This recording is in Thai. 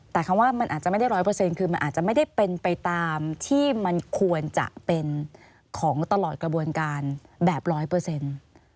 แต่คำว่ามันอาจจะไม่ได้ร้อยเปอร์เซ็นต์คือมันอาจจะไม่ได้เป็นไปตามที่มันควรจะเป็นของตลอดกระบวนการแบบร้อยเปอร์เซ็นต์